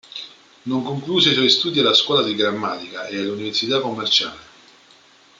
Non concluse i suoi studi alla scuola di grammatica e all'università commerciale.